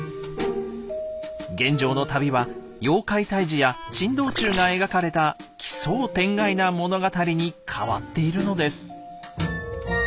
玄奘の旅は妖怪退治や珍道中が描かれた奇想天外な物語に変わっているのです。